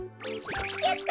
やった！